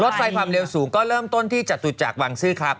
ไฟความเร็วสูงก็เริ่มต้นที่จตุจักรวังซื้อครับ